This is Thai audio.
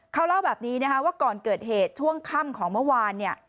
เขาเล่าแบบนี้นะคะว่าก่อนเกิดเหตุช่วงค่ำของเมื่อวาน